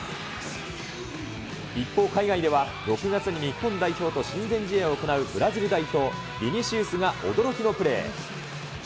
一方、海外では６月に日本代表と親善試合を行うブラジル代表、ビニシウスが驚きのプレー。